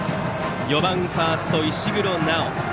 ４番ファースト、石黒尚。